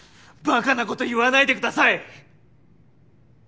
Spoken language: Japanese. バカなこと言わないでください。